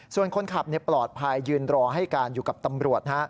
ส่วนคนขับปลอดภัยยืนรอให้การอยู่กับตำรวจ